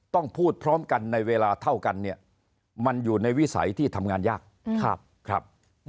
ต้องพูดพร้อมกันในเวลาเท่ากันเนี่ยมันอยู่ในวิสัยที่ทำงานยากครับ